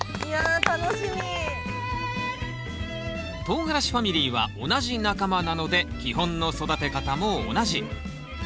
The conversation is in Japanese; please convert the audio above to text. とうがらしファミリーは同じ仲間なので基本の育て方も同じ。